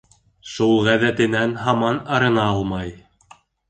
Шул ғәҙәтенән һаман арына алмай.